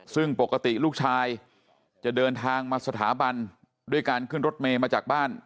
ซึ่งปกติลูกชายจะเดินทางมาสถาบันด้วยการขึ้นรถเมย์มาจากบ้าน